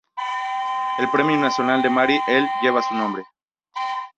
El premio nacional de Mari El lleva su nombre.